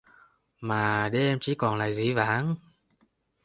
Mà để em chỉ còn là dĩ vãng?